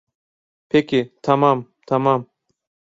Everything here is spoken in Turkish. Peki, tamam, tamam.